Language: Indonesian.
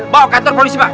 bawa ke kantor polisi pak